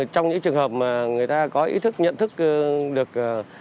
trong những trường hợp mà người ta có ý thức nhận thức được